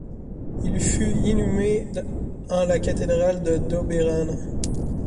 Il fut inhumé en la cathédrale de Doberan.